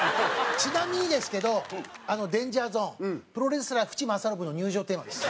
ちなみにですけど『ＤＡＮＧＥＲＺＯＮＥ』プロレスラー渕正信の入場テーマです。